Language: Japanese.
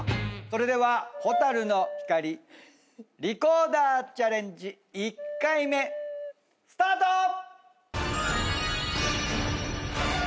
それでは『蛍の光』リコーダーチャレンジ１回目スタート！